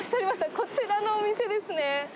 こちらのお店ですね。